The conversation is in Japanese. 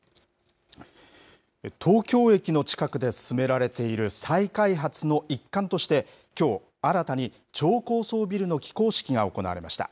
東京駅の近くで進められている再開発の一環としてきょう新たに超高層ビルの起工式が行われました。